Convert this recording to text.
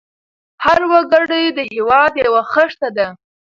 هر وګړی د هېواد یو خښته ده.